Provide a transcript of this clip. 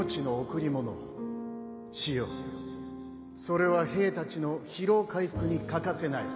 それは兵たちの疲労回復に欠かせない。